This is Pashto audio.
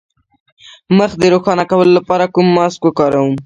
د مخ د روښانه کولو لپاره کوم ماسک وکاروم؟